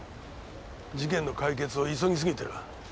事件の解決を急ぎすぎてる。